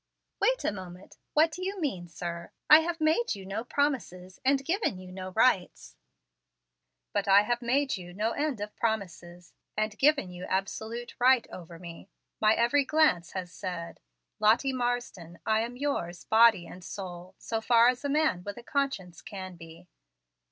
"Wait a moment; what do you mean, sir? I have made you no promises and given you no rights." "But I have made you no end of promises, and given you absolute right over me. My every glance has said, 'Lottie Marsden, I am yours, body and soul, so far as a man with a conscience can be.'"